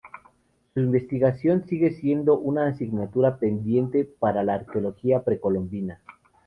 Su investigación sigue siendo una asignatura pendiente para la arqueología precolombina.